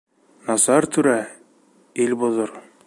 Насар түрә ил боҙор.